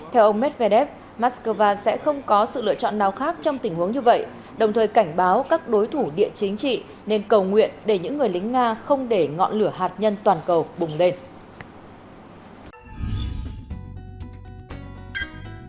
theo ông medvedev moscow sẽ không có sự lựa chọn nào khác trong tình huống như vậy đồng thời cảnh báo các đối thủ địa chính trị nên cầu nguyện để những người lính nga không để ngọn lửa hạt nhân toàn cầu bùng lên